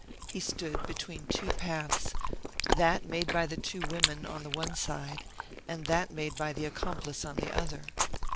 He stood between two paths, that made by the two women on the one side, and that made by the accomplice on the other.